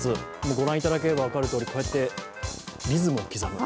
御覧いただければ分かるとおり、こうやってリズムを刻む。